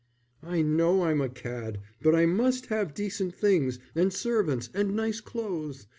"I know I'm a cad, but I must have decent things, and servants, and nice clothes.